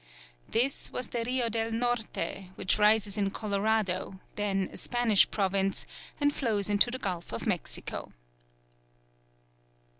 This was the Rio del Norte, which rises in Colorado, then a Spanish province, and flows into the Gulf of Mexico.